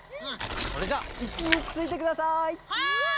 それじゃあいちについてください！